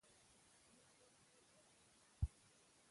نه څوک يې خوړى نشي.